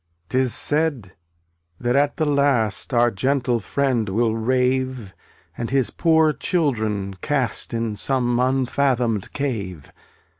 bmav 0Utt<$ 281 'Tis said that at the last Our Gentle Friend will rave And His poor children cast \£*t/ In some unfathomed cave.